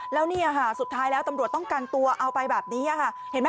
แล้วเนี่ยค่ะสุดท้ายแล้วตำรวจต้องกันตัวเอาไปแบบนี้ค่ะเห็นไหม